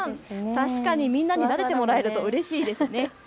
確かにみんなになでてもらえるとうれしいですね。